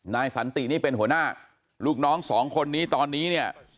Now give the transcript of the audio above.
สันตินี่เป็นหัวหน้าลูกน้องสองคนนี้ตอนนี้เนี่ย